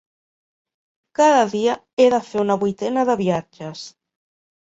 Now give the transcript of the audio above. Cada dia he de fer una vuitena de viatges.